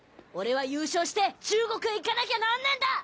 俺は優勝して中国へ行かなきゃならねーんだ！